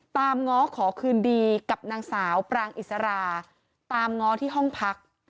ง้อขอคืนดีกับนางสาวปรางอิสราตามง้อที่ห้องพัก